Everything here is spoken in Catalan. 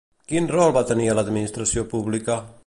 Quin rol va tenir a l'administració pública?